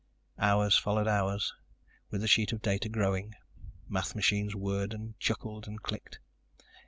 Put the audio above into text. Hours followed hours, with the sheet of data growing. Math machines whirred and chuckled and clicked.